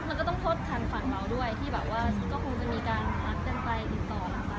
มันก็ต้องโทษฐานฝันเราด้วยที่แบบว่าก็คงจะมีการอาจเต็มใจติดต่อหลังไป